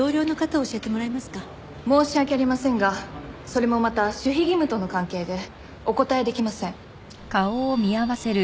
申し訳ありませんがそれもまた守秘義務との関係でお答えできません。